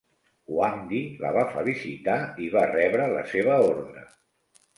Huangdi la va felicitar i va rebre la seva ordre.